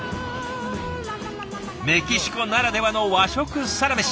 メキシコならではの和食サラメシ